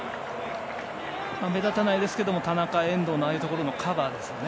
目立たないですけども田中、遠藤のああいうところのカバーですよね。